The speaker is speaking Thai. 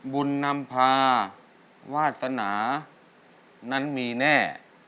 บุญนำพาวาสนานั้นมีแน่